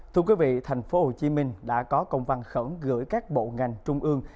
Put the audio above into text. thưa quý vị thành phố hồ chí minh đã có công văn khẩn gửi các bộ ngành trung ương